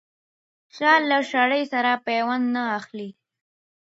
شال له شړۍ سره پيوند نه اخلي.